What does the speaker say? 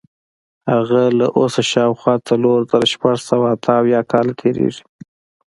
هغه له اوسه شاوخوا څلور زره شپږ سوه اته اویا کاله تېرېږي.